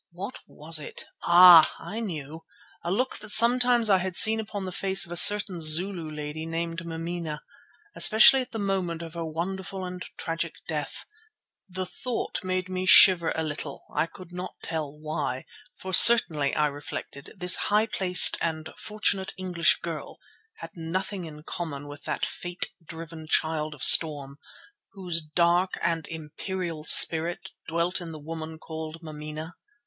What was it? Ah! I knew. A look that sometimes I had seen upon the face of a certain Zulu lady named Mameena, especially at the moment of her wonderful and tragic death. The thought made me shiver a little; I could not tell why, for certainly, I reflected, this high placed and fortunate English girl had nothing in common with that fate driven Child of Storm, whose dark and imperial spirit dwelt in the woman called Mameena.